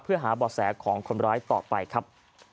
เพื่อหาบ่อแสของคนร้ายต่อไปครับ